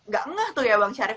gak ngeh tuh ya bang syarif